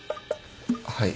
はい。